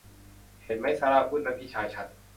เห็นมั้ย ซาร่าพูด นั่นพี่ชายฉัน